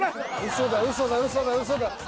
嘘だ嘘だ嘘だ嘘だ。